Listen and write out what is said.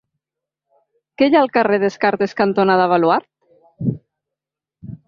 Què hi ha al carrer Descartes cantonada Baluard?